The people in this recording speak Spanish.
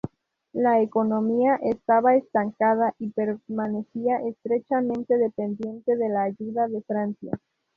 La economía estaba estancada y permanecía estrechamente dependiente de la ayuda de Francia.